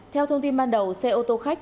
theo thông tin ban đầu xe ô tô khách